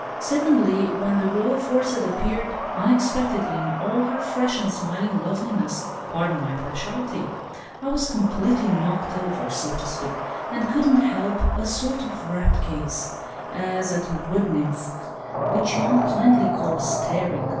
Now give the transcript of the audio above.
Secondly, when the girl aforesaid appeared, unexpectedly in all her fresh and smiling loveliness—pardon my partiality—I was completely knocked over, so to speak, and couldn't help a sort of rapt gaze—as at a wood nymph, which you unkindly call staring.